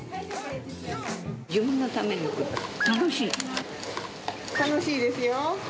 自分のためにというか、楽しいですよ。